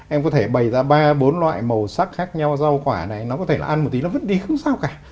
em có thể bày ra ba bốn loại màu sắc khác nhau rau quả này nó có thể là ăn một tí nó vứt đi không sao cả